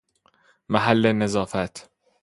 محل نظافت